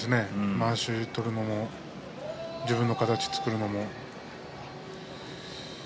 まわしを取るのも自分の形を作るのも。